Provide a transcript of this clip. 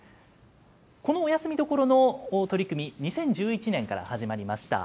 このお休み処の取り組み、２０１１年から始まりました。